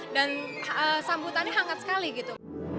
dan sambutannya hangat sekali gitu